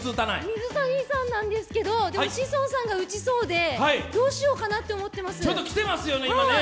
水谷さんなんですけど、でも、志尊さんが打ちそうでどうしようかなと思っています。